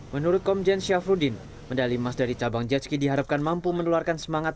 menurut komjen syafruddin medali emas dari cabang jetski diharapkan mampu meneluarkan semangat